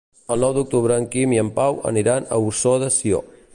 El nou d'octubre en Quim i en Pau aniran a Ossó de Sió.